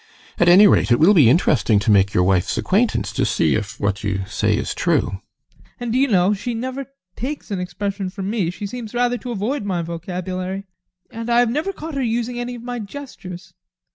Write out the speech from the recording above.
At any rate, it will be interesting to make your wife's acquaintance to see if what you say is true. ADOLPH. And do you know, she never takes an expression from me. She seems rather to avoid my vocabulary, and I have never caught her using any of my gestures.